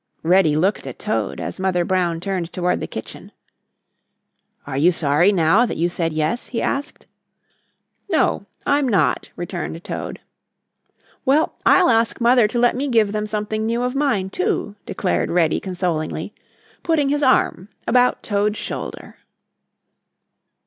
Reddy looked at Toad, as Mother Brown turned toward the kitchen. "Are you sorry now that you said 'yes'?" he asked. "No, I'm not," returned Toad. "Well, I'll ask Mother to let me give them something new of mine, too," declared Reddy consolingly, putting his arm about Toad's shoulder.